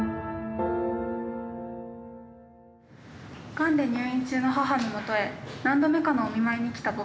「がんで入院中の母のもとへ何度目かのお見舞いに来た僕。